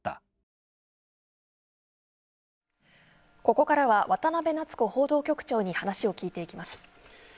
ここからは渡邉奈都子報道局長に話を聞いていきます。